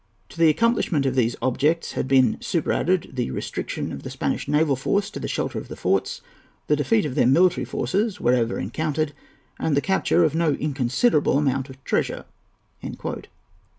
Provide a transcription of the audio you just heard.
To the accomplishment of these objects had been superadded the restriction of the Spanish naval force to the shelter of the forts, the defeat of their military forces wherever encountered, and the capture of no inconsiderable amount of treasure."